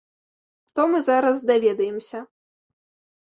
То мы зараз даведаемся.